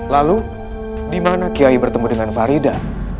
lalu di mana kiai bertemu dengan farida